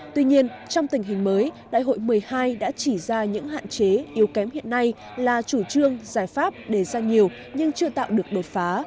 tuy nhiên trong tình hình mới đại hội một mươi hai đã chỉ ra những hạn chế yếu kém hiện nay là chủ trương giải pháp đề ra nhiều nhưng chưa tạo được đột phá